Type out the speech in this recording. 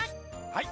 はい！